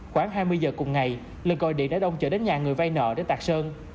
khoảng hai mươi giờ cùng ngày lực gọi điện đã đông chở đến nhà người vay nợ để tạc sơn